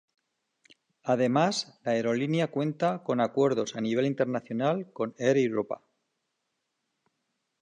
Además, la aerolínea cuenta con acuerdos a nivel internacional con Air Europa.